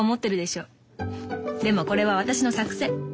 でもこれは私の作戦。